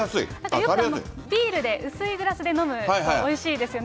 よくビールで、薄いグラスで飲むとおいしいですよね。